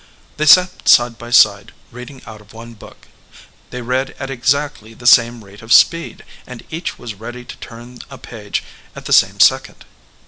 They sat side by side, reading out of one book. They read at exactly the same rate of speed, and each \vas ready to turn a page at the same second.